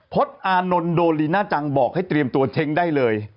พจนิดแป๊บนึงโดนลีน่าจังบอกให้เตรียมตัวเช็งได้เลย